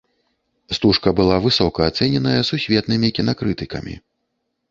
Стужка была высока ацэненая сусветнымі кінакрытыкамі.